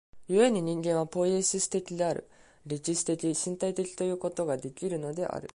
故に人間はポイエシス的である、歴史的身体的ということができるのである。